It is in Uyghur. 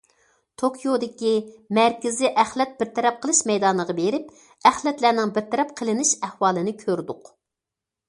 توكيودىكى مەركىزىي ئەخلەت بىر تەرەپ قىلىش مەيدانىغا بېرىپ، ئەخلەتلەرنىڭ بىر تەرەپ قىلىنىش ئەھۋالىنى كۆردۇق.